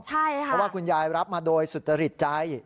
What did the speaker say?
เพราะว่าคุณยายรับมาโดยสุจริตใจ